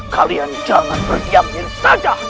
kalian jangan berdiamin saja